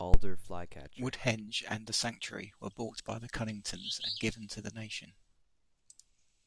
Woodhenge and The Sanctuary were bought by the Cunningtons and given to the nation.